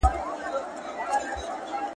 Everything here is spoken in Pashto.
د خپل ارمان په اور کي سوځېدلي پاته وې